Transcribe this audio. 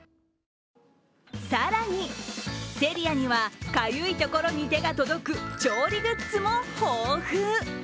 更に、Ｓｅｒｉａには、かゆいところに手が届く調理グッズも豊富。